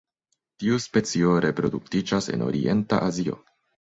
Tiu specio reproduktiĝas en orienta Azio.